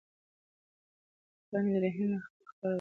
پاڼې د رحیم مخې ته خبره ورګرځوله.